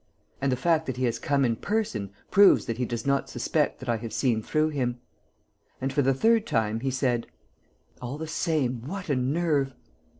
"And the fact that he has come in person proves that he does not suspect that I have seen through him." And, for the third time, he said, "All the same, what a nerve!"